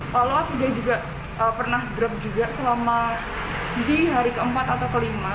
kalau afida juga pernah drop juga selama di hari keempat atau kelima